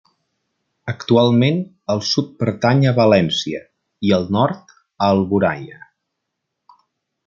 Actualment, el sud pertany a València, i el nord, a Alboraia.